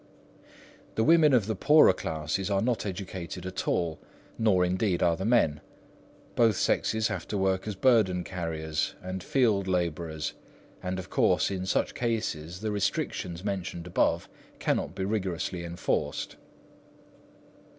The women of the poorer classes are not educated at all; nor indeed are the men. Both sexes have to work as burden carriers and field labourers; and of course in such cases the restrictions mentioned above cannot be rigorously enforced.